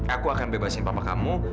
aku akan bebasin papa kamu